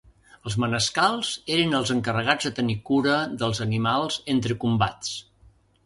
Els manescals eren els encarregats de tenir cura dels animals entre combats.